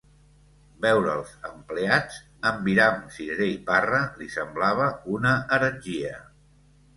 Veure'ls empleats, en viram, cirerer i parra, li semblava una heretgia.